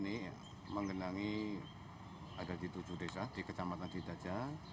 ini menggenangi ada di tujuh desa di kecamatan cidaja